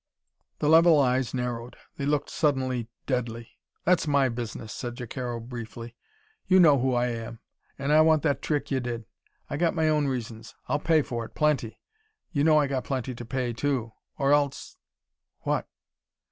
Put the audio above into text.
The level eyes narrowed. They looked suddenly deadly. "That's my business," said Jacaro briefly. "You know who I am. And I want that trick y'did. I got my own reasons. I'll pay for it. Plenty. You know I got plenty to pay, too. Or else " "What?"